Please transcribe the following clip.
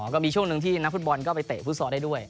ก็มีช่วงหนึ่งที่นักฟุตบอลก็ไปเตะฟุตซอลได้ด้วย